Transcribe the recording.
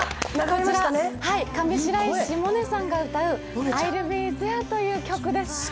上白石萌さんが歌う「Ｉ’ｌｌｂｅｔｈｅｒｅ」という歌です。